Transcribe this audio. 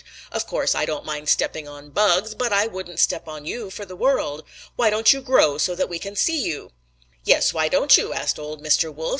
Of course, I don't mind stepping on bugs, but I wouldn't step on you for the world. Why don't you grow so that we can see you?' "'Yes, why don't you?' asked old Mr. Wolf.